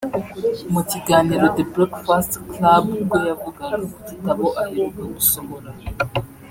mu kiganiro ‘The Breakfast Club ubwo yavugaga ku gitabo aheruka gusohora